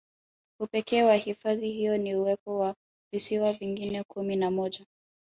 Upekee wa hifadhi hiyo ni uwepo wa visiwa vingine kumi na moja